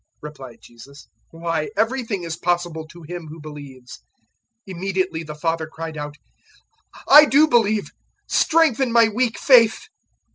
'" replied Jesus; "why, everything is possible to him who believes." 009:024 Immediately the father cried out, "I do believe: strengthen my weak faith."